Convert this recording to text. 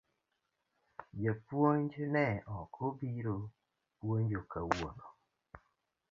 Japuonj ne ok obiro puonjo kawuono